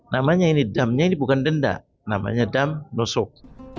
namanya ini damnya ini bukan denda namanya dam dosuk